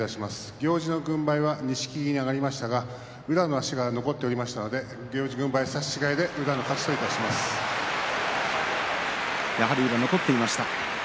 行司の軍配は錦木に上がりましたが宇良の足が残っておりましたので行司軍配差し違えでやはり宇良残っていました。